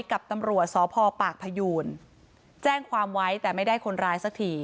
กับตำรวจสพปากพยูนแจ้งความไว้แต่ไม่ได้คนร้ายสักที